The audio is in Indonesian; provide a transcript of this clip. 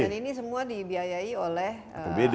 dan ini semua dibiayai oleh apbd